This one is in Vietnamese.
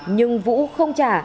nhưng vũ không trả